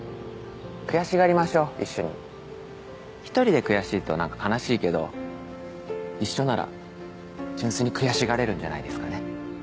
悔しがりましょ一緒に１人で悔しいとなんか悲しいけど一緒なら純粋に悔しがれるんじゃないですかね